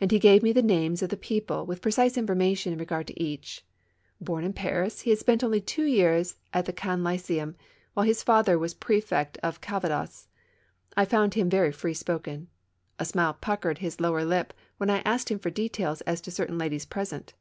And he gave me the names of the peoi)le, 28 TWO CHABMERS. with precise information in regard to each one. Born in Paris, he had spent only two years at the Caen Lyceum, while his father was Prefect of Calvados. I found him very free spoken. A smile puckered bis lower lip when I asked him for details as to certain ladies present.